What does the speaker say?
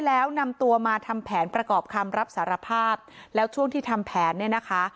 แล้วนำตัวมาทำแผนประกอบคำรับสารภาพแล้วช่วงที่ทำแผนเนี่ยนะคะ